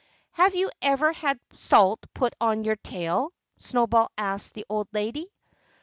"Have you ever had salt put on your tail?" Snowball asked the old lady.